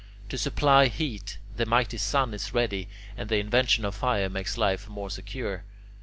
To supply heat, the mighty sun is ready, and the invention of fire makes life more secure.